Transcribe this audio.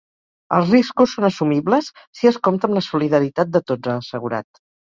Els riscos són assumibles si es compta amb la solidaritat de tots, ha assegurat.